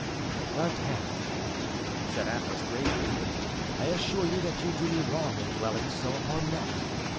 "D'Artagnan," said Athos, gravely, "I assure you that you do me wrong in dwelling so upon that.